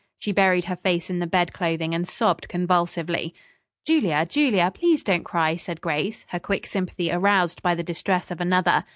She buried her face in the bed clothing and sobbed convulsively. "Julia, Julia, please don't cry," said Grace, her quick sympathy aroused by the distress of another.